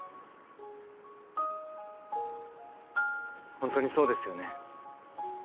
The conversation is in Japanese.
ホントにそうですよね。